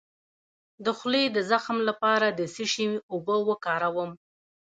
د خولې د زخم لپاره د څه شي اوبه وکاروم؟